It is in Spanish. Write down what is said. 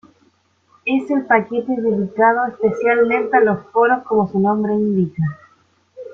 Es el paquete dedicado especialmente a los foros como su nombre indica.